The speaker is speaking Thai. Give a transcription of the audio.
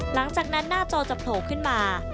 หลังจากนั้นหน้าจอจะโผล่ขึ้นมา